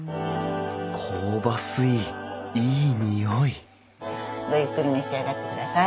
香ばしいいい匂いごゆっくり召し上がってください。